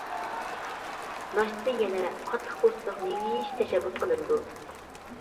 ناشتىدا يەنە قاتتىق پوستلۇق مېۋە يېيىش تەشەببۇس قىلىنىدۇ.